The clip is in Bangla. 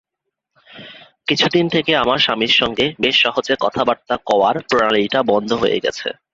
কিছুদিন থেকে আমার স্বামীর সঙ্গে বেশ সহজে কথাবার্তা কওয়ার প্রণালীটা বন্ধ হয়ে গেছে।